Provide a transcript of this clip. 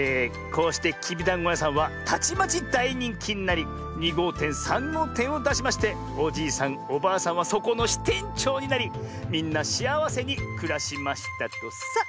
こうしてきびだんごやさんはたちまちだいにんきになり２ごうてん３ごうてんをだしましておじいさんおばあさんはそこのしてんちょうになりみんなしあわせにくらしましたとさ。